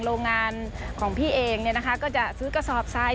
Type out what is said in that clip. โรงงานของพี่เองก็จะซื้อกระสอบซ้าย